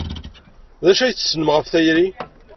D acu ay tessnem ɣef tayri?